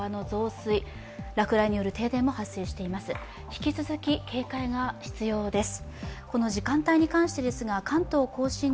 引き続き警戒が必要です。